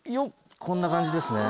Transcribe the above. こんな感じですね。